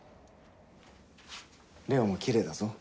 レオもきれいだぞ。